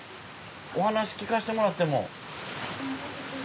お話聞かせてもらっても。